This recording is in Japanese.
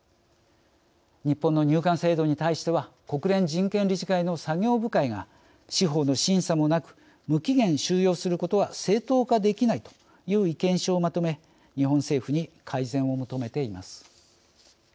日本の入管制度に対しては国連人権理事会の作業部会が司法の審査もなく無期限収容することは正当化できないという意見書をまとめ日本政府に改善を求めています。